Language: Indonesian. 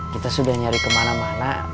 kita sudah nyari kemana mana